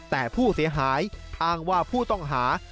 แต่ผู้เสียหายอ้างว่าผู้ต้องหา